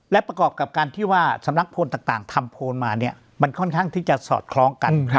และประกอบกับการที่ว่าสำนักโพลต่างทำโพลมาเนี่ยมันค่อนข้างที่จะสอดคล้องกัน